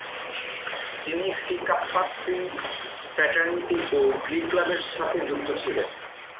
তিনি Phi Kappa Psi fraternity ও glee ক্লাবের সাথে যুক্ত ছিলেন।